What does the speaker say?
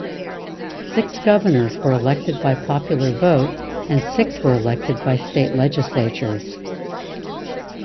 Six governors were elected by popular vote and six were elected by state legislatures.